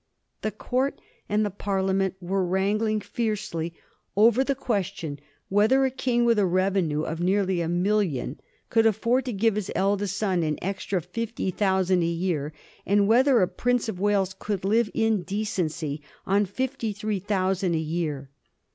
The Court and the Parliament were wrangling fiercely over the question whether a king with a revenue of nearly a million could afford to give his eldest son an extra fifty thousand a year, and whether a Prince of Wales could live in decency on fifty three thousand a year.